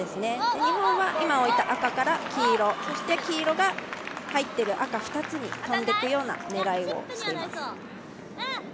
日本は今置いた赤から黄色そして黄色が入っている赤２つに飛んでいく狙いです。